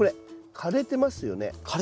枯れてますね。